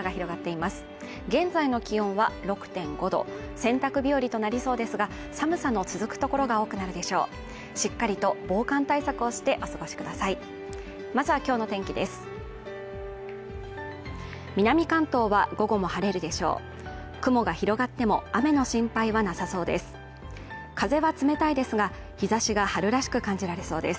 まずはきょうの天気です